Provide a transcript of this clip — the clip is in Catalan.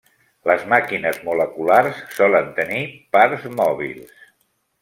Les màquines moleculars solen tenir parts mòbils.